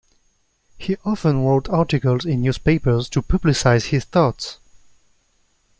He often wrote articles in newspapers to publicise his thoughts.